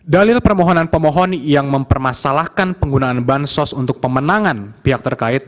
dalil permohonan pemohon yang mempermasalahkan penggunaan bansos untuk pemenangan pihak terkait